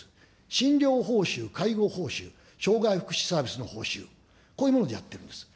診療報酬、介護報酬、障害福祉サービスの報酬、こういうものでやっています。